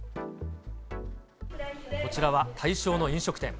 こちらは対象の飲食店。